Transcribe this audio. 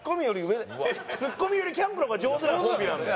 ツッコミよりキャンプの方が上手なコンビなんだ。